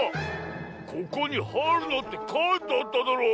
ここに「はいるな！」ってかいてあっただろ！